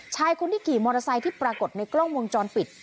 ชายคนที่ขี่มอเตอร์ไซค์ที่ปรากฏในกล้องวงจรปิด